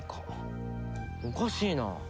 おかしいな。